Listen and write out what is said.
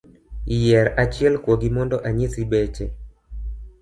Yier achiel kuogi mondo anyisi beche?